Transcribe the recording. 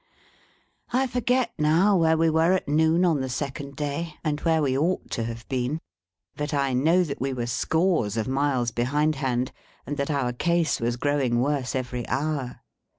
I forget now where we were at noon on the second day, and where we ought to have been; but I know that we were scores of miles behindhand, and that our case was growing worse every hour.